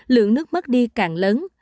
lượng nước mất đi càng lớn